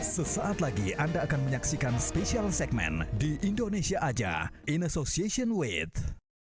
sesaat lagi anda akan menyaksikan special segmen di indonesia aja in association with